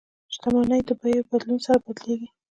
شتمني د بیو بدلون سره بدلیږي.